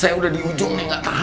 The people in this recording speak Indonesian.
saya udah di ujung nih